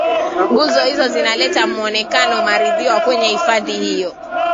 nguzo hizo zinaleta muonekano maridhawa kwenye hifadhi hiyo